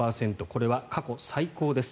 これは過去最高です。